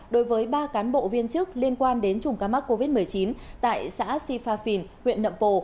đối với ba cán bộ viên chức liên quan đến chủng ca mắc covid một mươi chín tại xã sipafin huyện nậm pồ